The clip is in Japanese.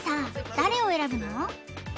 誰を選ぶの？